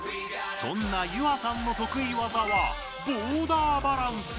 そんなＹｕａさんの得意技は「ボーダーバランス」。